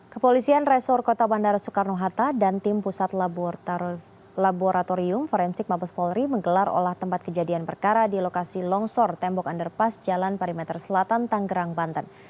kepolisian resor kota bandara soekarno hatta dan tim pusat laboratorium forensik mabes polri menggelar olah tempat kejadian perkara di lokasi longsor tembok underpass jalan perimeter selatan tanggerang banten